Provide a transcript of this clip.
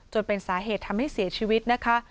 จนเป็นสาเหตุทำให้เสียชีวิตนะคะ